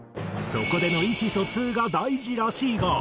そこでの意思疎通が大事らしいが。